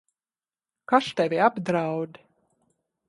Kas tevi apdraud?